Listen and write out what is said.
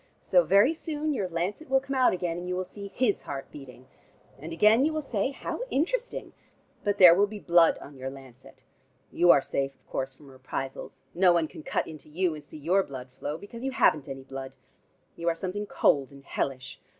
So, very soon, your lancet will come out again, and you will see his heart beating. And again you will say, 'How interesting!' But there will be blood on your lancet. You are safe, of course, from reprisals. No one can cut into you, and see your blood flow, because you haven't any blood. You are something cold and hellish.